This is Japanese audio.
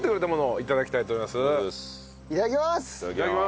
いただきます。